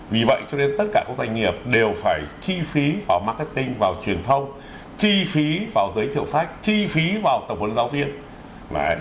vì vậy cho nên tất cả các doanh nghiệp đều phải chi phí vào marketing vào truyền thông chi phí vào giới thiệu sách chi phí vào tập huấn giáo viên